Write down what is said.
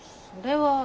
それは。